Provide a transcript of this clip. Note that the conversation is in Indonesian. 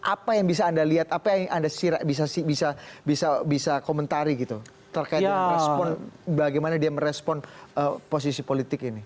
apa yang bisa anda lihat apa yang anda bisa komentari gitu terkait respon bagaimana dia merespon posisi politik ini